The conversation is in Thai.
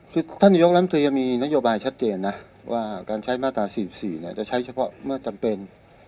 คือท่านนายกรัฐมนตรียังมีนโยบายชัดเจนนะว่าการใช้มาตรา๔๔จะใช้เฉพาะเมื่อจำเป็น